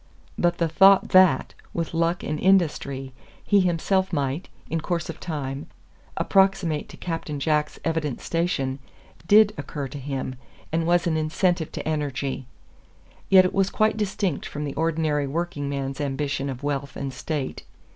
But the thought that, with luck and industry, he himself might, in course of time, approximate to Captain Jack's evident station, DID occur to him, and was an incentive to energy. Yet it was quite distinct from the ordinary working man's ambition of wealth and state.